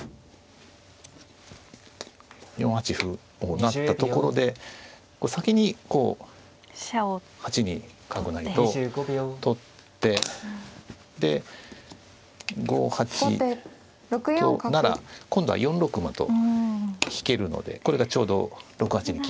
４八歩を成ったところで先にこう８二角成と取ってで５八となら今度は４六馬と引けるのでこれがちょうど６八に利いてくるという。